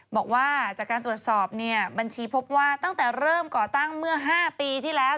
บอกว่าจากการตรวจสอบเนี่ยบัญชีพบว่าตั้งแต่เริ่มก่อตั้งเมื่อ๕ปีที่แล้ว